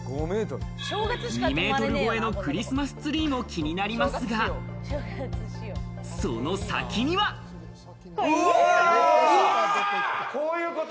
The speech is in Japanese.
２ｍ超えのクリスマスツリーも気になりますが、その先には。こういうこと？